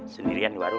sendirian di warung